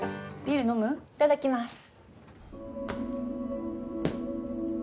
いただきます。